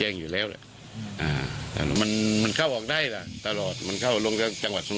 อันนี้ลองสันนิทหาด้วยก่อน